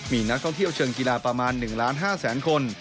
มีนักท่องเที่ยวเชิงกีฬาประมาณ๑๕๐๐๐๐๐คน